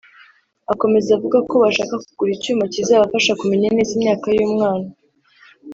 Akomeza avuga ko bashaka kugura icyuma kizabafasha kumenya neza imyaka y’umwana